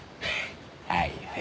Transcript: はいはい。